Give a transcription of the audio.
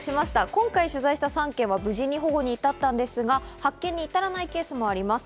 今回取材した３件は無事に保護にいたったんですが発見に至らないケースもあります。